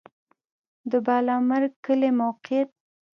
د بالامرګ کلی موقعیت